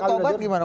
kalau tobat gimana